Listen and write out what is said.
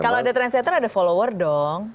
kalau ada trend setter ada follower dong